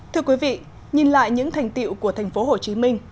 thưa quý vị nhìn lại những thành tiệu của thành phố hồ chí minh